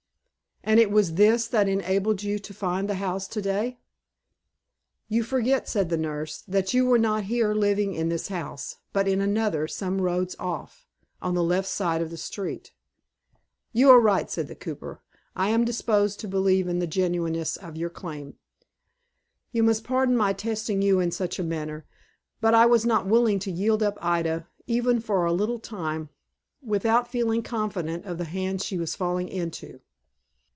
"And it was this, that enabled you to find the house, to day." "You forget," said the nurse, "that you were not then living in this house, but in another, some rods off, on the left hand side of the street." "You are right," said the cooper. "I am disposed to believe in the genuineness of your claim. You must pardon my testing you in such a manner, but I was not willing to yield up Ida, even for a little time, without feeling confident of the hands she was falling into."